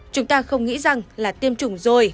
chúng ta không nghĩ rằng là tiêm chủng rồi